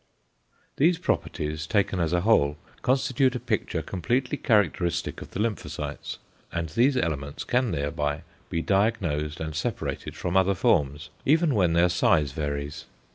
These properties taken as a whole constitute a picture completely characteristic of the lymphocytes; and these elements can thereby be diagnosed and separated from other forms, even when their size varies.